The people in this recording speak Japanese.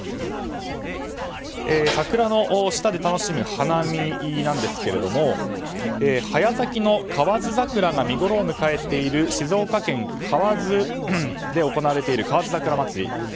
桜の下で楽しむ花見なんですけども早咲きの河津桜が見ごろを迎えている静岡県河津で行われている河津桜まつり。